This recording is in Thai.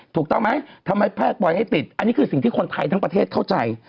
ถูกต้องไหมทำไมแพทย์ปล่อยให้ติดอันนี้คือสิ่งที่คนไทยทั้งประเทศเข้าใจ